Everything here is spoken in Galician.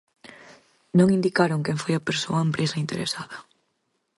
Non indicaron quen foi a persoa ou empresa interesada.